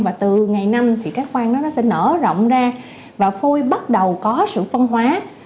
và từ ngày năm thì các khoang đó nó sẽ nở rộng ra và phôi bắt đầu có sự phân hóa